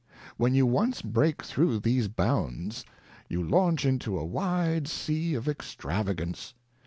When you once break through these bounds, you launch into a wide Sea of Extravagance.